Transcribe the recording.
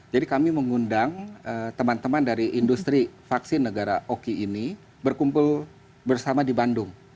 jadi kami mengundang teman teman dari industri vaksin negara oic ini berkumpul bersama di bandung